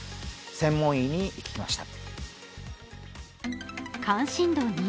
専門医に聞きました。